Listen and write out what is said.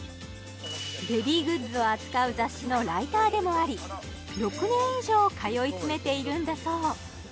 ベビーグッズを扱う雑誌のライターでもあり６年以上通い詰めているんだそう